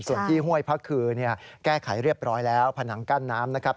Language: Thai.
ส่วนที่ห้วยพระคือแก้ไขเรียบร้อยแล้วผนังกั้นน้ำนะครับ